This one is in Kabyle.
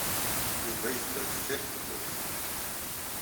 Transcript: Yuba yeffer deffir tewwurt.